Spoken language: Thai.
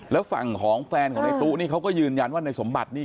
แล้วฝั่งของแฟนของในตู้นี่เขาก็ยืนยันว่าในสมบัตินี่